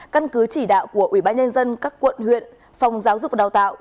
căn cứ chỉ đạo của ubnd các quận huyện phòng giáo dục và đào tạo